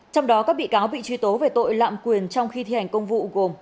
trong đó các bị cáo bị truy tố về tội lạm quyền trong khi thi hành công vụ gồm